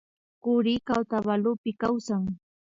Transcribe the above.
Kurika Otavalopi kawsan